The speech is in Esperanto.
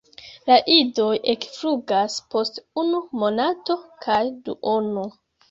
La idoj ekflugas post unu monato kaj duono.